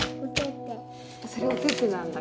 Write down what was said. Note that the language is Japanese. それおててなんだ。